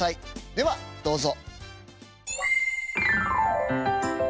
ではどうぞ。